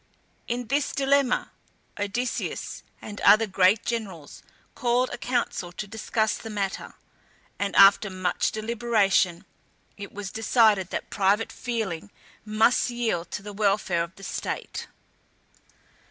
In this dilemma Odysseus and other great generals called a council to discuss the matter, and, after much deliberation, it was decided that private feeling must yield to the welfare of the state.